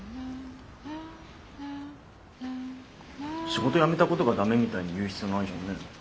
仕事辞めたことが駄目みたいに言う必要ないじゃんね。